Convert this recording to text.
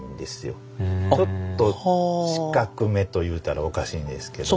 ちょっと四角めと言うたらおかしいんですけども。